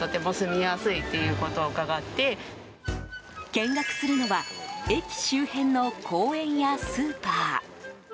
見学するのは駅周辺の公園やスーパー。